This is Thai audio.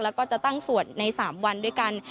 แล้วก็จะตั้งสวดใน๓วันด้วยกัน